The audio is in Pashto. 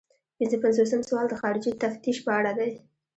پنځه پنځوسم سوال د خارجي تفتیش په اړه دی.